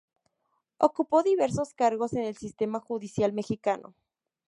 Ocupó diversos cargos en el sistema judicial mexicano.